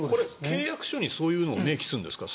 契約書にそういうのを明記するんですか？